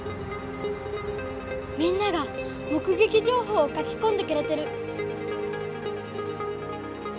みんながもくげき情報を書きこんでくれてる！